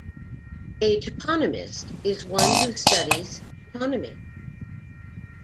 A "toponymist" is one who studies toponymy.